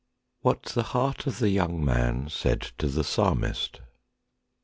WHAT THE HEART OF THE YOUNG MAN SAID TO THE PSALMIST.